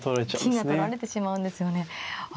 金が取られてしまうんですよね。